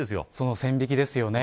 その線引きですよね。